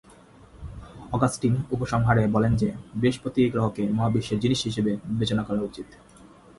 Augustine উপসংহারে বলেন যে, বৃহস্পতি গ্রহকে মহাবিশ্বের "জিনিস" হিসেবে বিবেচনা করা উচিত।